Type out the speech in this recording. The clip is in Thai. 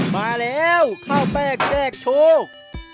มาแล้วเข้าไปแจกโชค